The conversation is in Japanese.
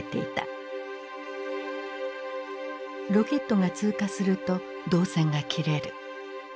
ロケットが通過すると導線が切れる。